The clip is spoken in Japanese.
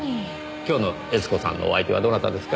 今日の悦子さんのお相手はどなたですか？